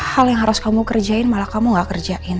hal yang harus kamu kerjain malah kamu gak kerjain